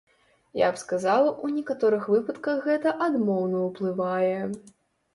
Я б сказаў, у некаторых выпадках гэта адмоўна ўплывае.